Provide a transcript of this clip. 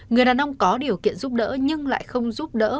người đàn ông có điều kiện giúp đỡ nhưng lại không giúp đỡ